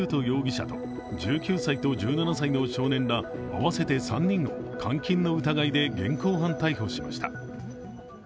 容疑者と１９歳と１７歳の少年ら合わせて３人の監禁の疑いで現行犯逮捕しました。